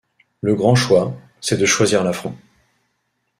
Le grand choix, C’est de choisir l’affront.